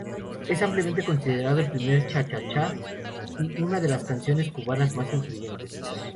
Es ampliamente considerado el primer cha-cha-chá y una de las canciones cubanas más influyentes.